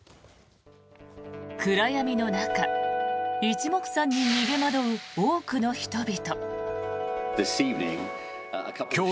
暗闇の中一目散に逃げ惑う多くの人々。